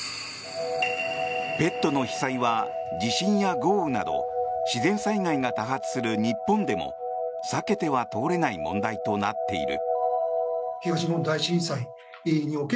ペットの被災は、地震や豪雨など自然災害が多発する日本でも避けては通れない問題となっている。